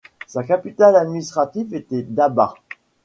Sa capitale administrative était Dabat.